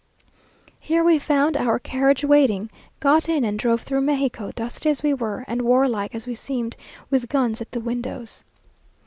Here we found our carriage waiting; got in and drove through Mexico, dusty as we were, and warlike as we seemed, with guns at the windows.